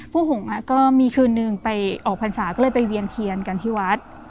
หงษ์ก็มีคืนนึงไปออกพรรษาก็เลยไปเวียนเทียนกันที่วัด